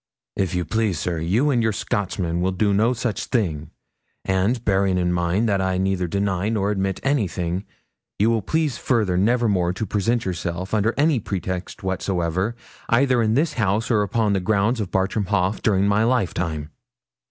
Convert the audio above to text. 'If you please, sir, you and your Scotchman shall do no such thing; and, bearing in mind that I neither deny nor admit anything, you will please further never more to present yourself, under any pretext whatsoever, either in this house or on the grounds of Bartram Haugh, during my lifetime.'